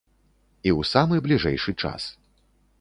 І ў самы бліжэйшы час.